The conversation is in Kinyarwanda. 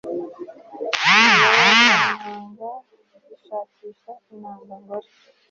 mu miyoborantanga zishakisha intanga ngore